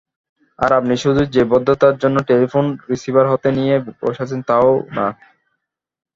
আর আপনি শুধু যে ভদ্রতার জন্যে টেলিফোন রিসিভার হাতে নিয়ে বসে আছেন তাও না।